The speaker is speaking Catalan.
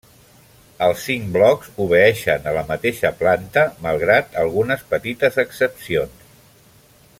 Els cinc blocs obeeixen a la mateixa planta malgrat algunes petites excepcions.